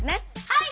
はい！